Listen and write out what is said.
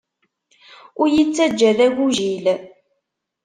Ur iyi-ttaǧǧa d agujil.